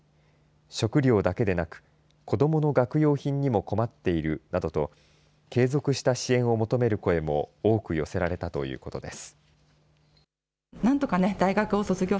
食料だけでなく子どもの学用品にも困っているなどと継続した支援を求める声も多く寄せられたということです。